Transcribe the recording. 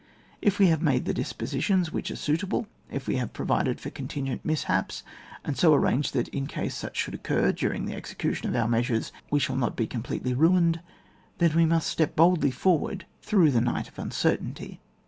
If we have made the dispositions which are suitable, if we have provided for con tingent mishaps, and so arranged that in case such should occur during the execution of our measures, we shall not be completely ruined, then we must step boldly forward through the night of uncertainty.